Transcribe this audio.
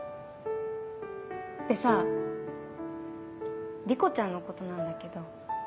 でさ莉子ちゃんのことなんだけど。